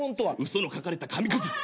嘘の書かれた紙くず。